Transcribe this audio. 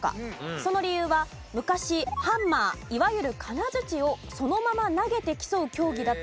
その理由は昔ハンマーいわゆる金づちをそのまま投げて競う競技だったからだそうです。